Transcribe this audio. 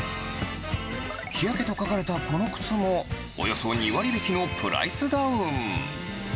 日焼けと書かれたこの靴も、およそ２割引きのプライスダウン。